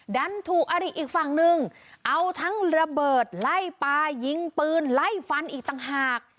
ดันถูกอริอีกฝั่งนึงเอาทั้งระเบิดไล่ปลายิงปืนไล่ฟันอีกต่างหาก